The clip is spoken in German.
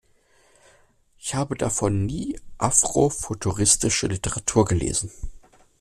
Ich habe davor nie afrofuturistische Literatur gelesen.